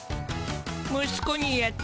息子にやった。